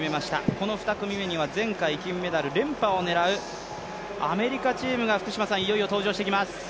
この２組目には前回金メダル、連覇を狙うアメリカチームがいよいよ登場してきます。